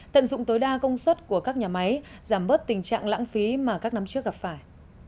tận dụng tối đa công suất của các nhà máy giảm bớt tình trạng lãng phí mà các năm trước gặp phải